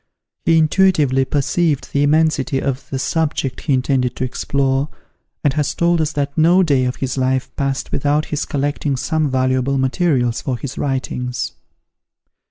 He intuitively perceived the immensity of the subject he intended to explore, and has told us that no day of his life passed without his collecting some valuable materials for his writings.